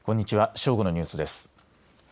正午のニュースです。